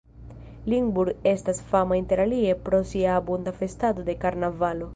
Limburg estas fama interalie pro sia abunda festado de karnavalo.